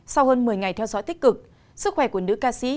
sau hơn một mươi ngày theo dõi tích cực sức khỏe của nữ ca sĩ